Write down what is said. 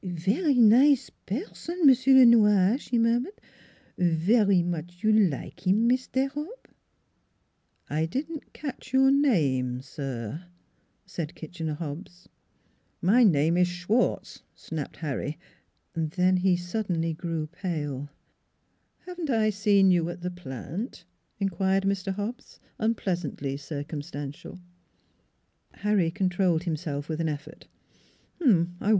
" Vary nize person M'sieu' Le Noir," she murmured. " Vary much you like 'im, Mis taire Hobb." " I didn't catch your name, sir," said Kitchener Hobbs. " My name is Schwartz," snapped Harry. Then he grew suddenly pale. "Haven't I seen you at the Plant?" inquired Mr. Hobbs, unpleasantly circumstantial. Harry controlled himself with an effort.